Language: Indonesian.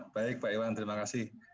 baik pak iwan terima kasih